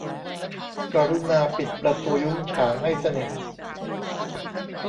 กรุณาปิดประตูยุ้งฉางให้สนิท